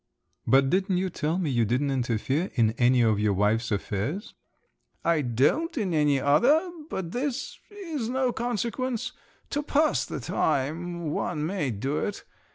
"But didn't you tell me you didn't interfere in any of your wife's affairs?" "I don't in any other. But this … is no consequence. To pass the time—one may do it.